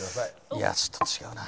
いやちょっと違うな。